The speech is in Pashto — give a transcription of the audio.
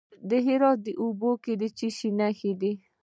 د هرات په اوبې کې د څه شي نښې دي؟